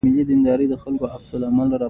دوی د سولې پلویان دي.